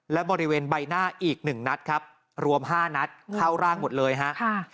และบริเวณใบหน้าอีกหนึ่งนัดครับรวม๕นัดเข้าร่างหมดเลยฮะค่ะ